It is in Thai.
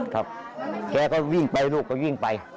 ครับแกก็วิ่งไปลูกก็วิ่งไป